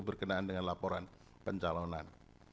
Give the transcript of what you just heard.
berkenaan dengan laporan pencalonan